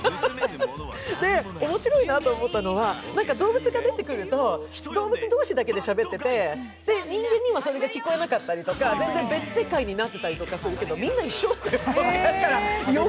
面白いなと思ったのは、動物が出てくると、動物同士だけでしゃべってて、人間には聞こえなくて、全然別世界になってたりするけど、みんな一緒なのよ。